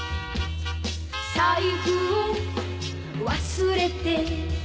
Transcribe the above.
「財布を忘れて」